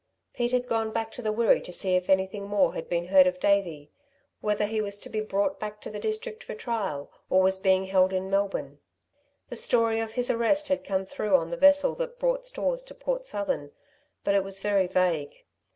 Pete had gone back to the Wirree to see if anything more had been heard of Davey, whether he was to be brought back to the district for trial, or was being held in Melbourne. The story of his arrest had come through on the vessel that brought stores to Port Southern, but it was very vague.